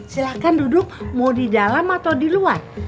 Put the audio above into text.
silahkan duduk mau di dalam atau di luar